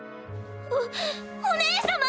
おお姉様！